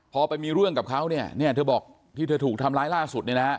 พอไปมีเรื่องกับเขาเธอบอกที่เธอถูกทำลายล่าสุด